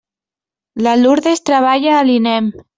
La Lurdes treballa a l'INEM.